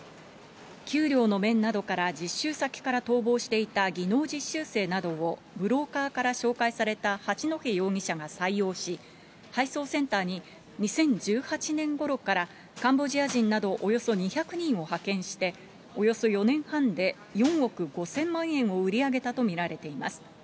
給料の面などから実習先から逃亡していた技能実習生などをブローカーから紹介された八戸容疑者が採用し、配送センターに２０１８年ごろから、カンボジア人などおよそ２００人を派遣して、およそ４年半で４億５０００万円を売り上げたと見られています。